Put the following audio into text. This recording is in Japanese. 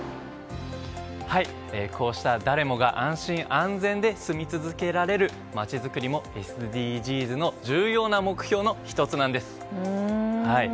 こうした誰もが安心・安全で住み続けられる街づくりもＳＤＧｓの重要な目標の１つなんです。